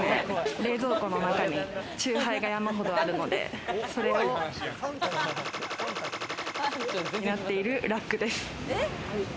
冷蔵庫の中に酎ハイが山ほどあるので、それをなっているラックです。